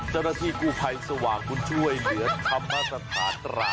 เจ้าหน้าที่กุภัยสว่างคุณช่วยเหลือคัมภาษาศาสตรา